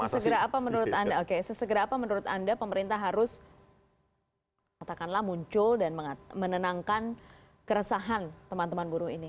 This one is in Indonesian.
sesegera apa menurut anda pemerintah harus katakanlah muncul dan menenangkan keresahan teman teman buruh ini